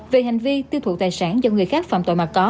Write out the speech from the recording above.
về hành vi tiêu thụ tài sản do người khác phạm